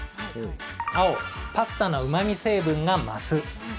青・パスタのうまみ成分が増す。